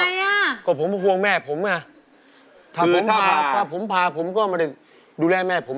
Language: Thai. อเจมส์ก็ผมห่วงแม่ผมอะถ้าผมผ่าผมก็มาดูแลแม่ผม